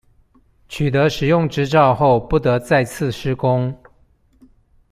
取得使用執照後不得再次施工